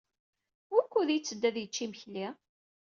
Wukud yetteddu ad yečč imekli?